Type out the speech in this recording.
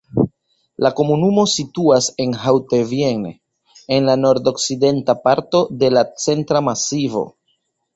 La komunumo situas en Haute-Vienne, en la nordokcidenta parto de la Centra Masivo.